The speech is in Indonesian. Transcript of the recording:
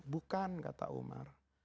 bukan kata umar